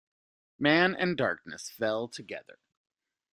Man and darkness fell together.